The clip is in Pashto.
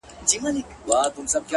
زړه ته د ښايست لمبه پوره راغلې نه ده ـ